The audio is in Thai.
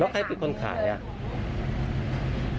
ใครเป็นคนขายอ่ะ